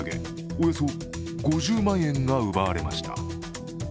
およそ５０万円が奪われました。